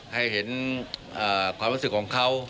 ให้เห็นความรู้สึกของเขา